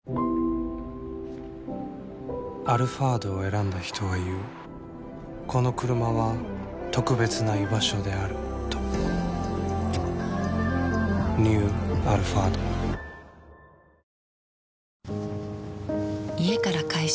「アルファード」を選んだ人は言うこのクルマは特別な居場所であるとニュー「アルファード」カップヌードル辛麺は？